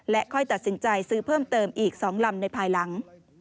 ค่อยตัดสินใจซื้อเพิ่มเติมอีก๒ลำในภายหลัง